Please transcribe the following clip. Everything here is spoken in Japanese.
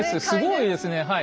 すごいですね。